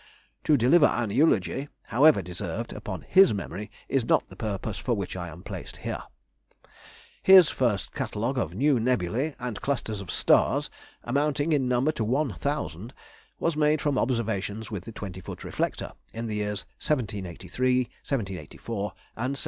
To deliver an eulogy (however deserved) upon his memory is not the purpose for which I am placed here. His first catalogue of new nebulæ and clusters of stars, amounting in number to one thousand, was made from observations with the twenty foot reflector in the years 1783, 1784, and 1785.